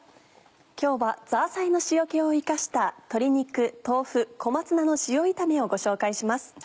今日はザーサイの塩気を生かした「鶏肉豆腐小松菜の塩炒め」をご紹介します。